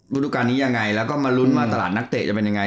รูปการณ์นี้ยังไงแล้วก็มาลุ้นว่าตลาดนักเตะจะเป็นยังไง